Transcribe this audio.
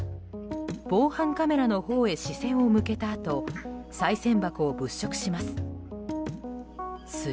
防犯カメラのほうへ視線を向けたあとさい銭箱を物色します。